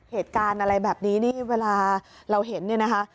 เหตุการณ์อะไรแบบนี้นี่เวลาเราเห็นเนี่ยนะคะ